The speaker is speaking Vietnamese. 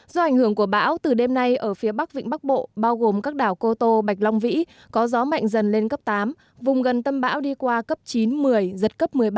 do ảnh hưởng của bão từ đêm nay ở phía bắc vịnh bắc bộ bao gồm các đảo cô tô bạch long vĩ có gió mạnh dần lên cấp tám vùng gần tâm bão đi qua cấp chín một mươi giật cấp một mươi ba